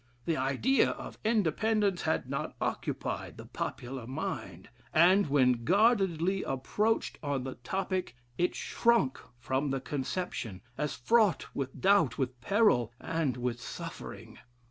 The idea of Independence had not occupied the popular mind, and when guardedly approached on the topic, it shrunk from the conception, as fraught with doubt, with peril, and with suffering.